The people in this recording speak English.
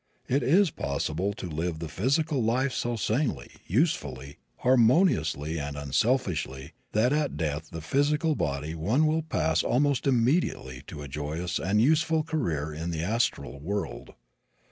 It is possible to live the physical life so sanely, usefully, harmoniously and unselfishly that at the death of the physical body one will pass almost immediately to a joyous and useful career in the astral world.